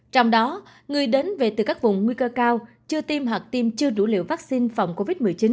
trong đó người đến về từ các vùng nguy cơ cao chưa tiêm hoặc tiêm chưa đủ liều vaccine phòng covid một mươi chín